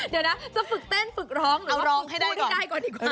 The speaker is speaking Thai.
เดี๋ยวนะจะฝึกเต้นฝึกร้องหรือว่าฝึกกูได้ก่อนดีกว่า